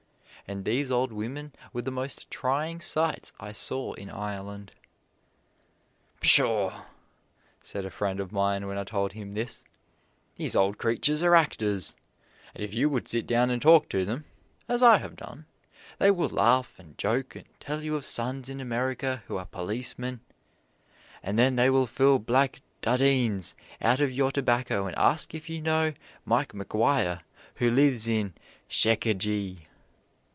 And these old women were the most trying sights I saw in Ireland. "Pshaw!" said a friend of mine when I told him this; "these old creatures are actors, and if you would sit down and talk to them, as I have done, they will laugh and joke, and tell you of sons in America who are policemen, and then they will fill black 'dhudeens' out of your tobacco and ask if you know Mike McGuire who lives in She ka gy."